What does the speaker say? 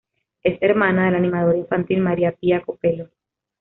Es hermana de la animadora infantil María Pía Copello.